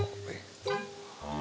oh apaan ini